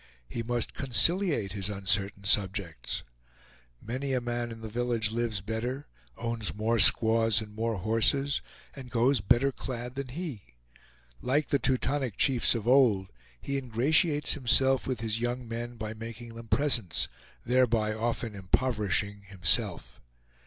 He must conciliate his uncertain subjects. Many a man in the village lives better, owns more squaws and more horses, and goes better clad than he. Like the Teutonic chiefs of old, he ingratiates himself with his young men by making them presents, thereby often impoverishing himself.